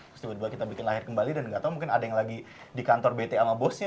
terus tiba tiba kita bikin lahir kembali dan gak tau mungkin ada yang lagi di kantor bt sama bosnya